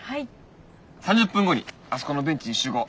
３０分後にあそこのベンチに集合。